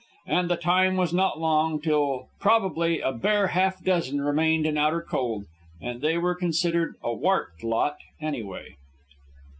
And the time was not long till probably a bare half dozen remained in outer cold, and they were considered a warped lot, anyway.